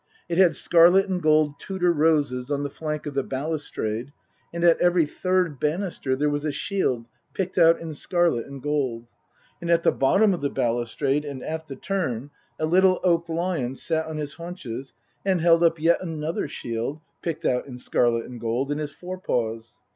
It had scarlet and gold Tudor roses on the flank of the balustrade, and at every third banister there was a shield picked out in scarlet and gold. And at the bottom of the balustrade and at the turn a little oak lion sat on his haunches and held up yet another shield (picked out in scarlet and gold) in his fore paws.